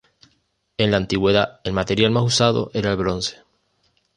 En la antigüedad el material más usado era el bronce.